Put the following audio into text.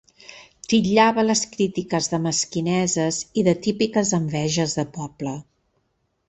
Titllava les crítiques de ‘mesquineses’ i de ‘típiques enveges de poble’.